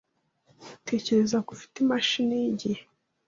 Tekereza ko ufite imashini yigihe.